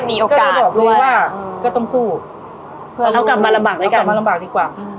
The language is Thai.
มีข้อเสนออยากให้แม่หน่อยอ่อนสิทธิ์การเลี้ยงดู